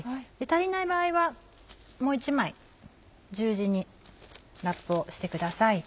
足りない場合はもう１枚十字にラップをしてください。